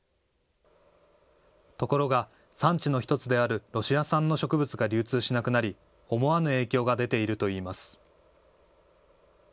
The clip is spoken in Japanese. ところが産地の１つであるロシア産の植物が流通しなくなり思わぬ影響が出ているといいます。